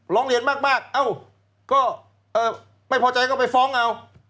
ร้องเรียนมากเอ้าก็ไม่พอใจก็ไปฟ้องเอา